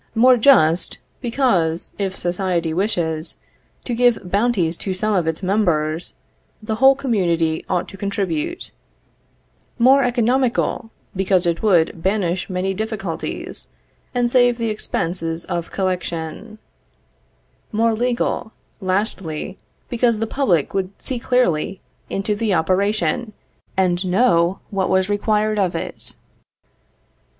More just, because, if society wishes to give bounties to some of its members, the whole community ought to contribute; more economical, because it would banish many difficulties, and save the expenses of collection; more legal, lastly, because the public would see clearly into the operation, and know what was required of it.